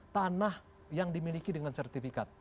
tanah yang dimiliki dengan sertifikat